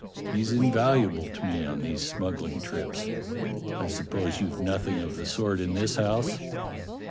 He's invaluable to me on these smuggling trips. I suppose you've nothing of the sort in this house.